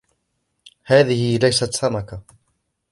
هذه ليست سمكة.